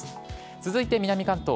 続いて南関東。